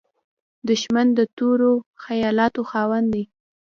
دښمن د تورو خیالاتو خاوند وي